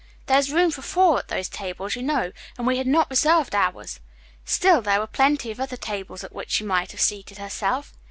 There is room for four at those tables, you know, and we had not reserved ours. Still, there were plenty of other tables at which she might have seated herself.